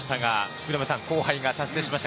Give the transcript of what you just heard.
福留さん、後輩が達成しました。